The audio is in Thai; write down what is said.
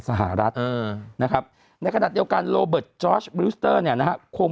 สหรัฐนะครับในขณะเดียวกันโลเบิร์ตจอร์ชบริวสเตอร์เนี่ยนะครับคง